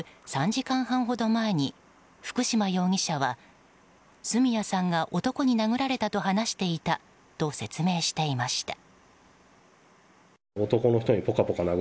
３時間半ほど前に福島容疑者は、角谷さんが男に殴られたと話していたと説明していました。